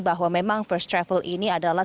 bahwa memang first travel ini akan berjalan